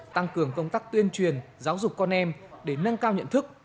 tăng cường công tác tuyên truyền giáo dục con em để nâng cao nhận thức